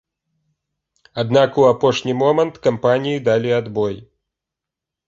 Аднак у апошні момант кампаніі далі адбой.